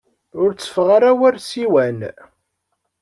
Ur tteffeɣ ara war ssiwan.